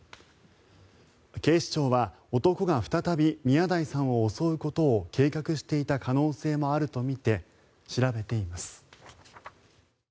警視庁は男が再び宮台さんを襲うことを計画していた可能性もあるとみて調べています。